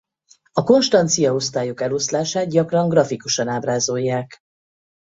A konstancia-osztályok eloszlását gyakran grafikusan ábrázolják.